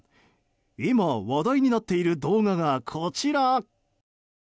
今、話題になっている動画がこちら！